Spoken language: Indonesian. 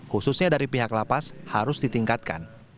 khususnya dari pihak lapas harus ditingkatkan